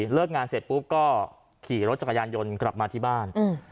เลิกงานเสร็จปุ๊บก็ขี่รถจักรยานยนต์กลับมาที่บ้าน